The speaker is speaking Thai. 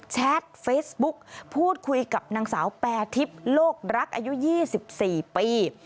แชทเฟซบุ๊กพูดคุยกับนางสาวแปรทิพย์โลกรักอายุ๒๔ปี